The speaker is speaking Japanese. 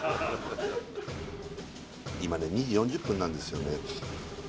今ね２時４０分なんですよね